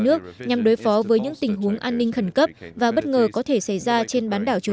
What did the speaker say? nước nhằm đối phó với những tình huống an ninh khẩn cấp và bất ngờ có thể xảy ra trên bán đảo triều